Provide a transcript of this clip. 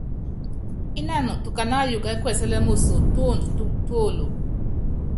Ínanɔ tukaná ayuukɔ ɛ́ kuɛsɛ́lɛ́ moso, túopdo túolo.